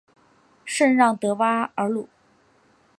圣让德巴尔鲁。